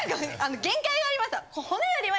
限界がありますよ。